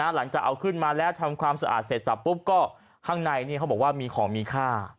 หลังจากเอาขึ้นมาแล้วทำความสะอาดเสร็จเสบก็ข้างในมีของมีค่า